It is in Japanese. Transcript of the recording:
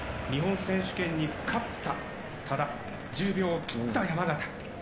日本選手権に勝った、ただ、１０秒を切った山縣。